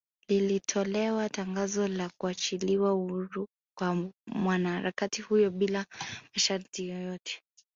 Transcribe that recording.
Lilitolewa tangazo la kuachiliwa huru kwa mwanaharakati huyo bila ya masharti yoyote